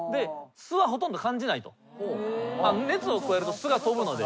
熱を加えると酢がとぶので。